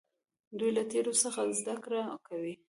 دوی له تیرو څخه زده کړه کوي.